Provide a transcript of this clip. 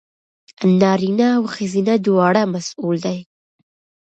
نارینه او ښځینه دواړه مسوول دي.